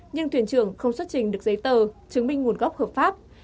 nhưng thuyền trưởng không xuất trình được giấy tờ chứng minh nguồn gốc hợp pháp